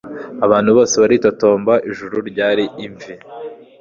Abantu bose baritotomba Ijuru ryari imvi